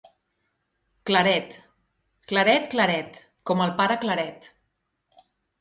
—Claret. —Claret, claret, com el pare Claret.